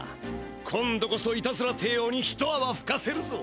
今度こそいたずら帝王にひとあわふかせるぞ。